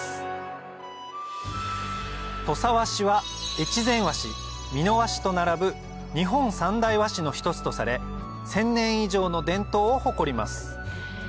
和紙は越前和紙美濃和紙と並ぶ日本三大和紙の一つとされ１０００年以上の伝統を誇ります